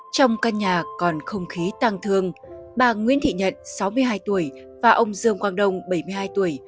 trong căn nhà còn không khí tăng thương bà nguyễn thị nhận sáu mươi hai tuổi và ông dương quang đông bảy mươi hai tuổi